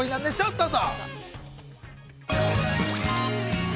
どうぞ。